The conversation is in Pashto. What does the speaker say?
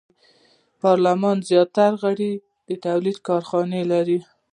پارلمان زیاتره غړو تولیدي کارخانې لرلې.